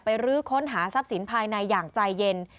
รื้อค้นหาทรัพย์สินภายในอย่างใจเย็น